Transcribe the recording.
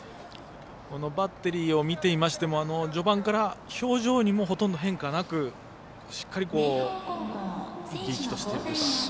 バッテリーを見ていましても序盤から表情にもほとんど変化なくしっかり生き生きとしてるというか。